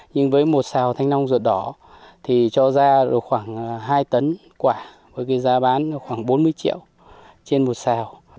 nhưng với một xào thanh long ruột đỏ thì cho ra được khoảng hai tấn quả với cái giá bán khoảng bốn mươi triệu trên một xào